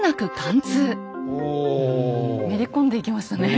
めり込んでいきましたね。